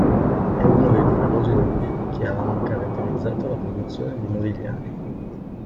È uno dei numerosi "nudi" che hanno caratterizzato la produzione di Modigliani.